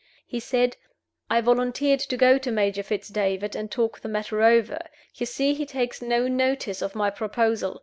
He said, 'I volunteered to go to Major Fitz David and talk the matter over. You see he takes no notice of my proposal.